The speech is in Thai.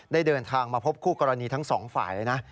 เดินทางมาพบคู่กรณีทั้งสองฝ่ายเลยนะ